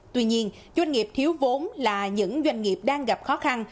tuy nhiên doanh nghiệp thiếu vốn là những doanh nghiệp đang gặp khó khăn